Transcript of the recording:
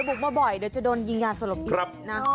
บุกมาบ่อยเดี๋ยวจะโดนยิงยาสลบอีกนะ